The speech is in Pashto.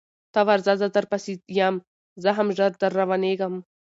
ته ورځه زه در پسې یم زه هم ژر در روانېږم